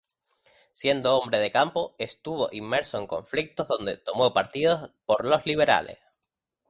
Siendo hombre de campo estuvo inmerso en conflictos donde tomó partido por los liberales.